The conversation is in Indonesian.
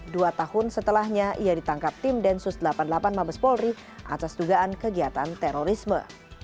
dua tahun setelahnya ia ditangkap tim densus delapan puluh delapan mabes polri atas dugaan kegiatan terorisme